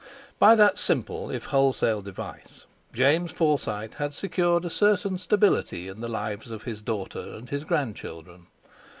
By that simple if wholesale device James Forsyte had secured a certain stability in the lives of his daughter and his grandchildren.